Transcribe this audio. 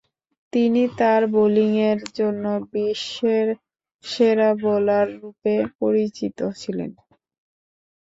তিনি তার বোলিংয়ের জন্য বিশ্বের সেরা বোলাররূপে পরিচিত ছিলেন।